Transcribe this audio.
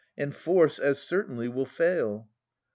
And force as certainly will fail.